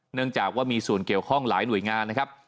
เนื่องจากว่ามีส่วนเกี่ยวข้องหลายหน่วยงานนะครับ